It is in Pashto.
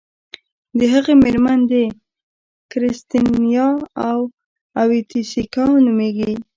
د هغه میرمن کریستینا اویتیسیکا نومیږي.